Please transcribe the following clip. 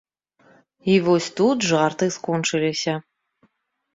І вось тут жарты скончыліся.